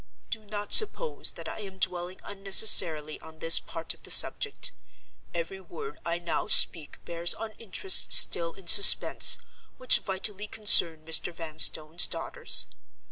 —Do not suppose that I am dwelling unnecessarily on this part of the subject. Every word I now speak bears on interests still in suspense, which vitally concern Mr. Vanstone's daughters.